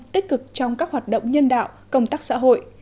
tích cực trong các hoạt động nhân đạo công tác xã hội